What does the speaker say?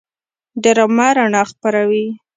ډرامه رڼا خپروي